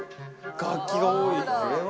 楽器が多い。